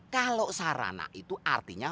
kalau sarana itu artinya